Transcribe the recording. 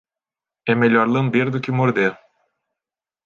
É melhor lamber do que morder.